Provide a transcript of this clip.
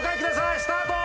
スタート！